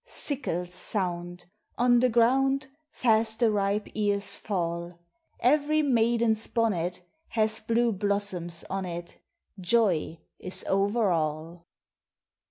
Sickles sound; On the ground Fast the ripe ears fall ; Every maiden's bonnet Has blue blossoms on it : Joy is over all.